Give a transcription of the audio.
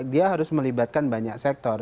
dia harus melibatkan banyak sektor